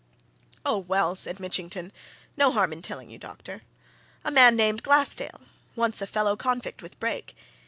"Oh, well!" said Mitchington. "No harm in telling you, doctor. A man named Glassdale once a fellow convict with Brake.